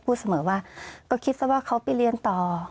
พูดเสมอว่าก็คิดซะว่าเขาไปเรียนต่อ